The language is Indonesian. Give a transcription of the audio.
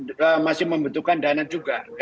nanti berikutnya kan masih membutuhkan dana juga